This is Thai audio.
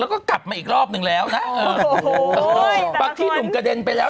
แล้วก็กลับมาอีกรอบหนึ่งแล้วนะเออบางที่หนุ่มกระเด็นไปแล้ว